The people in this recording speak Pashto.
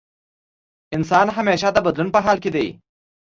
انسان همېشه د بدلون په حال کې دی.